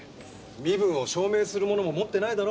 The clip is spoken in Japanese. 身分を証明するものも持っていないだろ？